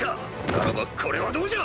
ならばこれはどうじゃ！